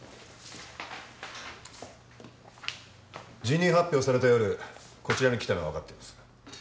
辞任発表された夜こちらに来たのはわかっています。